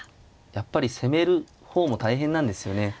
やっぱり攻める方も大変なんですよね。